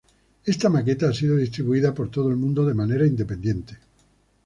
Esta maqueta ha sido distribuida por todo el mundo de manera independiente.